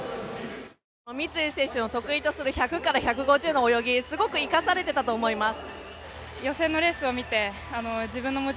三井選手の得意とする１００から１５０の泳ぎすごい生かされていたと思います。